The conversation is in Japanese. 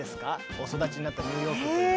お育ちになったニューヨークというのは。